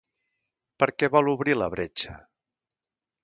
Per què vol obrir la bretxa?